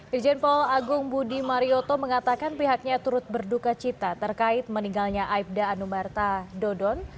irjen paul agung budi marioto mengatakan pihaknya turut berduka cita terkait meninggalnya aibda anumerta dodon